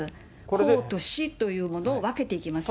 公と私というものを分けていきますね。